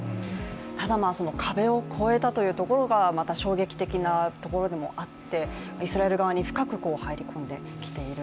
ただ、壁を越えたというところが衝撃的なところでもあって、イスラエル側に深く入り込んできている。